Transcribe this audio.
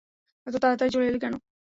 এত তাড়াতাড়ি চলে এলে কেন?